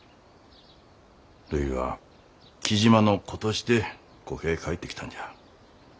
るいは雉真の子としてこけえ帰ってきたんじゃ。